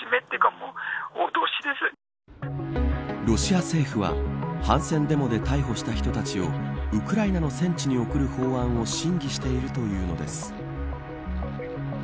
ロシア政府は反戦デモで逮捕した人たちをウクライナの戦地に送る法案を審議しているというのです。